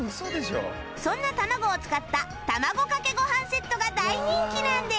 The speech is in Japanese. そんな卵を使ったたまごかけごはんセットが大人気なんです